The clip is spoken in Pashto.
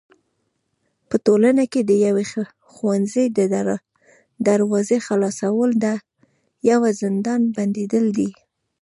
په ټولنه کي د يوي ښوونځي د دروازي خلاصول د يوه زندان بنديدل دي.